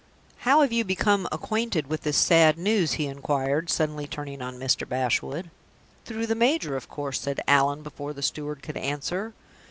"How have you become acquainted with this sad news?" he inquired, turning suddenly on Mr. Bashwood. "Through the major, of course," said Allan, before the steward could answer.